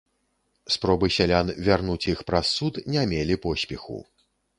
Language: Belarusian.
Спробы сялян вярнуць іх праз суд не мелі поспеху.